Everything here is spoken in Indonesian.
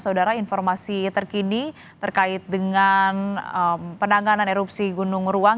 saudara informasi terkini terkait dengan penanganan erupsi gunung ruang